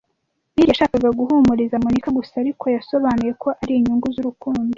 Bill yashakaga guhumuriza Monica gusa, ariko yasobanuye ko ari inyungu z'urukundo.